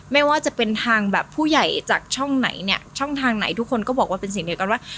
ไม่ว่าจะเป็นทางแบบผู้ใหญ่จากช่องไหนเนี่ยช่องทางไหนทุกคนก็บอกว่าเป็นเสียงเดียวกันว่า